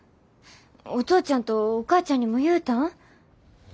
お父ちゃんとお母ちゃんにも言うたん？